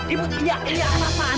ibu tidak tidak apa apaan